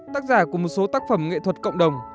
tác giả của một số tác phẩm nghệ thuật cộng đồng